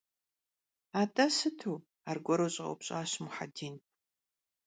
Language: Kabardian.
At'e sıtu? - argueru ş'eupş'aş Muhedin.